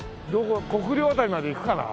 国領あたりまで行くかな？